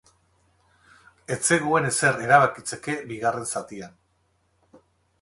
Ez zegoen ezer erabakitzeke bigarren zatian.